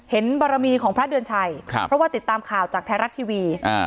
เห็นบารมีของพระเดินชัยครับเพราะว่าติดตามข่าวจากแท้รักทีวีอ่า